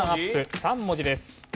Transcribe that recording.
３文字です。